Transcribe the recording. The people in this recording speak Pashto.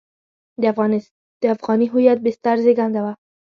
د افغاني هویت بستر زېږنده وو.